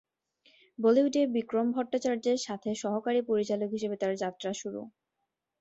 বলিউডে বিক্রম ভট্টাচার্যের সাথে সহকারী পরিচালক হিসেবে তার যাত্রা শুরু।